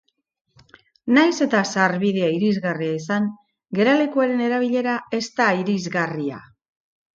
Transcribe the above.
Nahiz eta sarbidea irisgarria izan, geralekuaren erabilera ez da irisgarria.